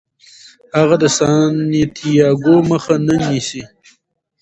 هغه د سانتیاګو مخه نه نیسي.